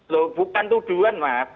loh bukan tujuan mas